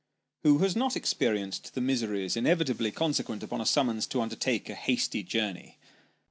Who has not experienced the miseries inevitably consequent upon a summons to undertake a hasty journey